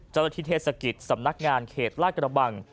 จันทธิเทศกิจสำนักงานเขตล่าต์กระบัง